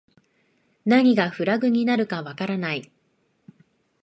何がフラグになるかわからない